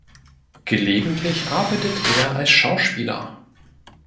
Gelegentlich arbeitet er als Schauspieler.